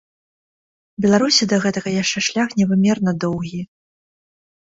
Беларусі да гэтага яшчэ шлях невымерна доўгі.